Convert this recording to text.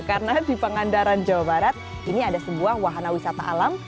karena di pangandaran jawa barat ini ada sebuah wahana wisata alam